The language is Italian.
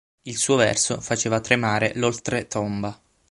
Il suo verso faceva tremare l'oltretomba.